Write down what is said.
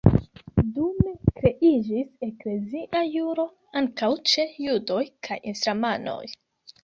Dume kreiĝis eklezia juro ankaŭ ĉe judoj kaj islamanoj.